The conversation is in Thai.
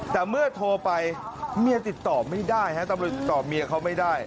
แต่เมื่อโทรไปเมียติดต่อไม่ได้ฮะตำรวจติดต่อเมียเขาไม่ได้